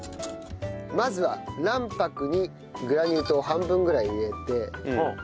まずは卵白にグラニュー糖を半分ぐらい入れて。